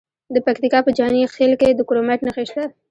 د پکتیکا په جاني خیل کې د کرومایټ نښې شته.